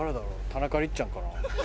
田中りっちゃんかな？